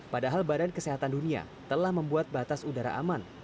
padahal badan kesehatan dunia telah membuat batas udara aman